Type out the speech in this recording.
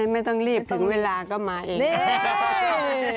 ไม่ต้องรีบถึงเวลาก็มาเอง